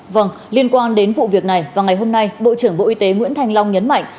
vâng liên quan đến vụ việc này vào ngày hôm nay bộ trưởng bộ y tế nguyễn thanh long nhấn mạnh